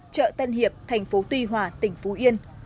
chợ tân hiệp thành phố tuy hòa tỉnh phú yên